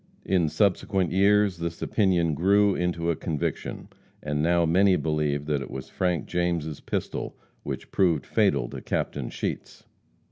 In subsequent years this opinion grew into a conviction, and now many believe that it was Frank James' pistol which proved fatal to Captain Sheets.